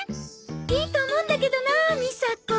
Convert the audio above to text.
いいと思うんだけどな「みさこ」。